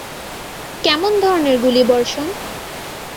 কেমন ধরণের গুলিবর্ষণ?